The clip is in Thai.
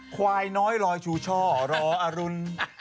ควายน้อยลอยชูช่อรออรุณ